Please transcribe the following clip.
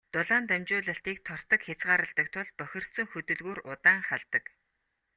Дулаан дамжуулалтыг тортог хязгаарладаг тул бохирдсон хөдөлгүүр удаан халдаг.